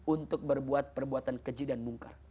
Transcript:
untuk berbuat perbuatan keji dan mungkar